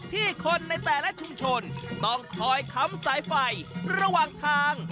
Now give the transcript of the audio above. ที่คนในแต่ละชุมชนต้องคอยค้ำสายไฟระหว่างทาง